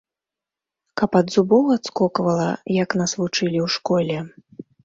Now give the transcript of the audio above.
Каб ад зубоў адскоквала, як нас вучылі ў школе.